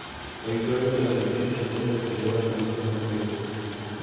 Habitualmente, las elecciones internas se celebran el último domingo de junio.